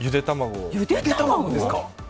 ゆで卵ですか？